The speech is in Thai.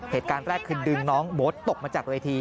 เหตุการณ์แรกคือดึงน้องโบ๊ทตกมาจากเวที